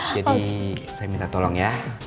jadi saya minta tolong ya